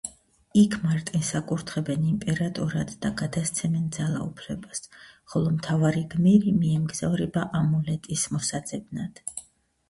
იქ მარტინს აკურთხებენ იმპერატორად და გადასცემენ ძალაუფლებას, ხოლო მთავარი გმირი მიემგზავრება ამულეტის მოსაძებნად.